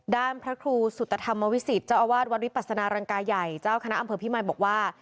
พระครูสุตธรรมวิสิตเจ้าอาวาสวัดวิปัสนารังกายใหญ่เจ้าคณะอำเภอพิมายบอกว่า